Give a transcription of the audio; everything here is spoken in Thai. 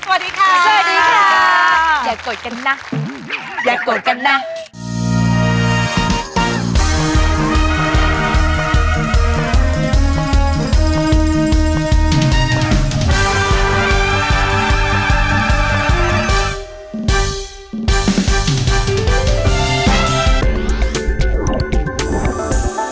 สวัสดีค่ะสวัสดีค่ะอย่าโกรธกันนะอย่าโกรธกันนะ